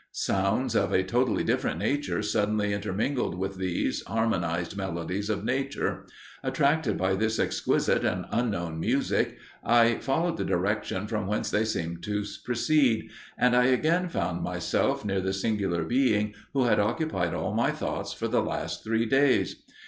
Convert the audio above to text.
Sounds of a totally different nature suddenly intermingled with these harmonized melodies of nature. Attracted by this exquisite and unknown music, I followed the direction from whence they seemed to proceed, and I again found myself near the singular being who had occupied all my thoughts for the last three days.